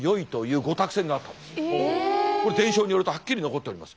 伝承によるとはっきり残っております。